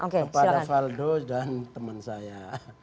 kepada faldo dan teman saya